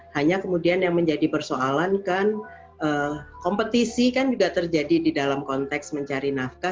hanya kemudian yang menjadi persoalan kan kompetisi kan juga terjadi di dalam konteks mencari nafkah